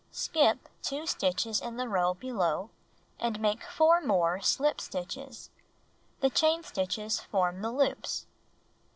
Skip 2 stitches in the row below, and make 4 more slip stitches. The chain stitches form the loops.